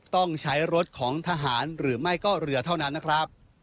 ต้องใช้รถของทหารหรือไม่ก็เรือเท่านั้นนะครับ